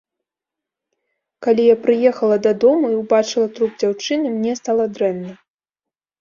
Калі я прыехала да дому і ўбачыла труп дзяўчыны, мне стала дрэнна.